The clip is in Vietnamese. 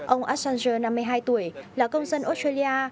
ông assanger năm mươi hai tuổi là công dân australia